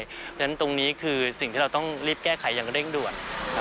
เพราะฉะนั้นตรงนี้คือสิ่งที่เราต้องรีบแก้ไขอย่างเร่งด่วน